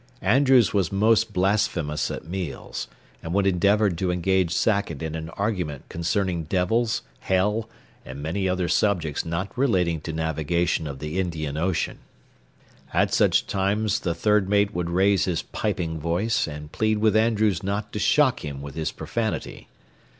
Andrews was most blasphemous at meals, and would endeavor to engage Sackett in an argument concerning devils, hell, and many other subjects not relating to navigation of the Indian Ocean. At such times the third mate would raise his piping voice and plead with Andrews not to shock him with his profanity.